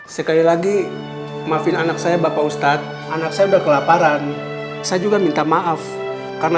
sekali lagi maafin anak saya bapak ustadz anak saya udah kelaparan saya juga minta maaf karena